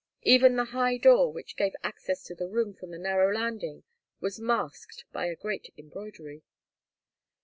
Even the high door which gave access to the room from the narrow landing was masked by a great embroidery.